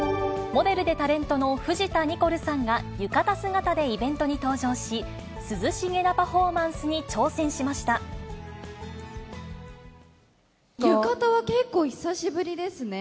モデルでタレントの藤田ニコルさんが、浴衣姿でイベントに登場し、涼しげなパフォーマンスに挑戦し浴衣は結構、久しぶりですね。